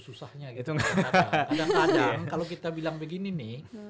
kadang kadang kalau kita bilang begini nih